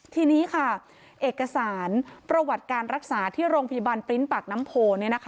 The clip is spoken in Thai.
ทีนี้ค่ะเอกสารประวัติการรักษาที่โรงพยาบาลปริ้นต์ปากน้ำโพ